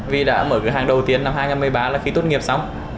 vì đã mở cửa hàng đầu tiên năm hai nghìn một mươi ba là khi tốt nghiệp xong